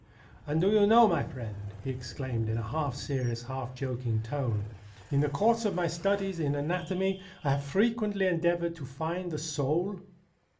' And do you know, my friend,' he exclaimed in a half serious, half joking tone, ' in the course of my studies in anatomy I have frequently endeavoured to find the soul?